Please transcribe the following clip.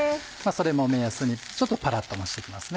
それも目安にちょっとパラっともして来ます。